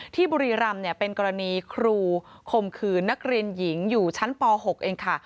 บุรีรำเป็นกรณีครูข่มขืนนักเรียนหญิงอยู่ชั้นป๖เองค่ะ